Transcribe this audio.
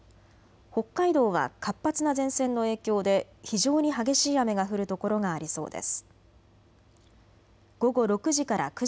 北海道は活発な前線の影響で非常に激しい雨が降る所がありそうです。